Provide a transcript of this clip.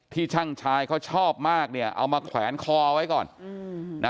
ช่างชายเขาชอบมากเนี่ยเอามาแขวนคอไว้ก่อนนะ